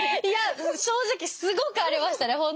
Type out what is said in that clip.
いや正直すごくありましたね